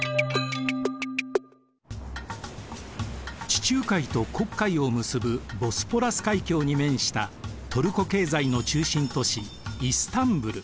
地中海と黒海を結ぶボスポラス海峡に面したトルコ経済の中心都市イスタンブル。